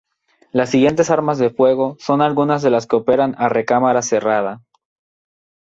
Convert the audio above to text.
Las siguientes armas de fuego son algunas de las que operan a recámara cerrada.